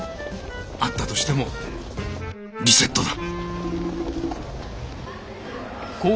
あったとしてもリセットだ。